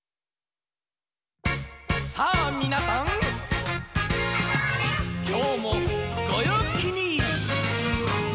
「さあみなさんきょうもごようきに！」